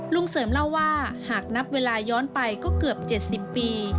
เสริมเล่าว่าหากนับเวลาย้อนไปก็เกือบ๗๐ปี